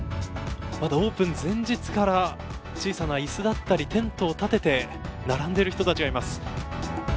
まだオープン前日から小さな椅子だったりテントを立てて並んでいる人たちがいます。